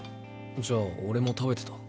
じゃあ俺も食べてた？